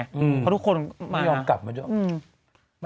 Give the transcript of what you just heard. เพราะทุกคนไม่ยอมกลับมาด้วย